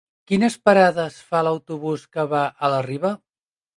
Quines parades fa l'autobús que va a la Riba?